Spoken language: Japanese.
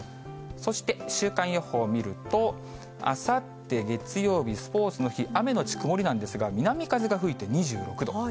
そして、週間予報を見ると、あさって月曜日、スポーツの日、雨後曇りなんですが、南風が吹いて２６度。